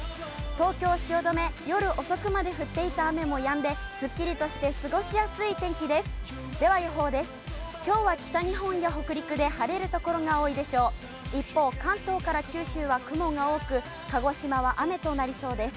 東京・汐留、夜遅くまで降っていた雨もやんで、すっきりとして過ごしやすい天気です。